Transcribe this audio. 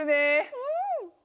うん。